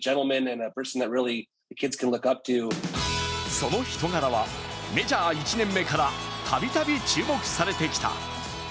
その人柄はメジャー１年目からたびたび注目されてきた。